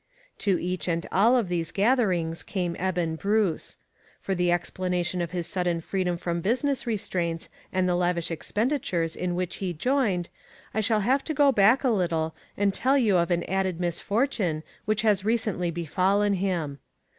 To each and all of these gatherings came Eben Bruce. For the explanation of ' his sudden freedom from business restraints and the lavish expend itures in which he joined, I shall have to go back a little and tell you of an added misfortune which has recently befallen him.